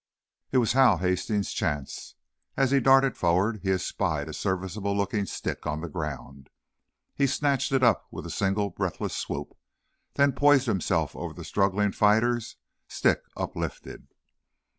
It was Hal Hastings's chance. As he darted forward he espied a serviceable looking stick on the ground. He snatched it up with a single breathless swoop, then poised himself over the struggling fighters, stick uplifted.